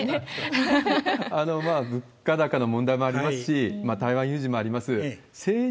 物価高の問題もありますし、台湾有事もあります。